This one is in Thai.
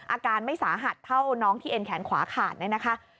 อาการไม่สาหัสเท่าน้องที่เอ็นแขนขวาขาดเนี่ยนะคะ